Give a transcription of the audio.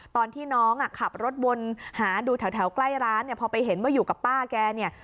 ตอนที่น้องอ่ะขับรถวนหาดูแถวใกล้ร้านเนี่ยพอไปเห็นว่าอยู่กับป้าแกเนี่ย